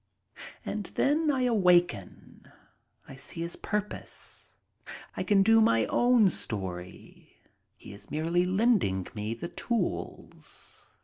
And then I awaken. I see his purpose. I can do my own story — he is merely lending me the tools.